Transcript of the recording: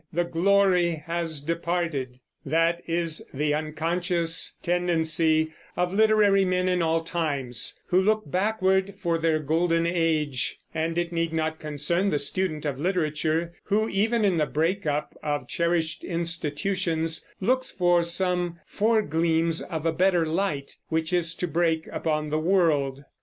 the glory has departed." That is the unconscious tendency of literary men in all times, who look backward for their golden age; and it need not concern the student of literature, who, even in the break up of cherished institutions, looks for some foregleams of a better light which is to break upon the world.